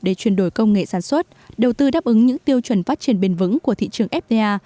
để chuyển đổi công nghệ sản xuất đầu tư đáp ứng những tiêu chuẩn phát triển bền vững của thị trường fda